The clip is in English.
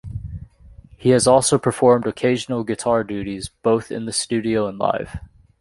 He has also performed occasional guitar duties both in the studio and live.